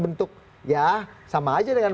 bentuk ya sama aja dengan